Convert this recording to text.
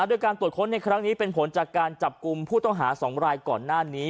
โดยการตรวจค้นในครั้งนี้เป็นผลจากการจับกลุ่มผู้ต้องหา๒รายก่อนหน้านี้